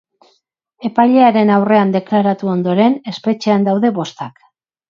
Epailearen aurrean deklaratu ondoren, espetxean daude bostak.